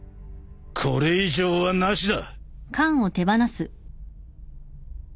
これ以上はなしだ！